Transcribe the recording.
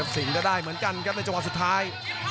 สิงค์ก็ได้เหมือนกันครับในเจาะสุดท้าย